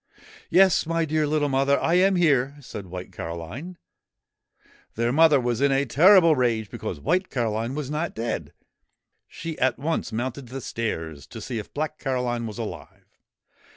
' Yes, my dear little mother, I am here !' said White Caroline. Their mother was in a terrible rage because White Caroline was not dead. She at once mounted the stairs to see if Black Caroline was alive.